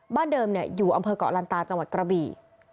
บ้านเดิมอยู่อำเภอกรรตาจังหวัดกระบี่